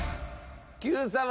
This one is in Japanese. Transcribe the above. Ｑさま！！